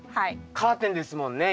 カーテンですもんね